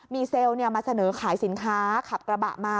มีเซลล์มาเสนอขายสินค้าขับกระบะมา